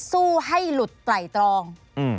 สู้ให้หลุดไตรตรอง